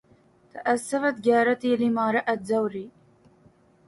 تأسفت جارتي لما رأت زوري